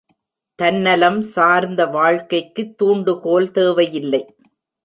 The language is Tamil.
தன்னலம் சார்ந்த வாழ்க்கைக்கு தூண்டுகோல் தேவையில்லை.